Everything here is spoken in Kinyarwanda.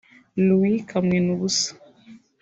Louis Kamwenubusa